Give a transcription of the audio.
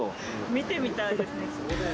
見てみたいですね。